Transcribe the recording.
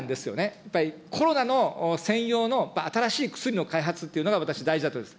やっぱりコロナの専用の、新しい薬の開発というのは私、大事だと思います。